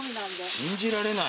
信じられない。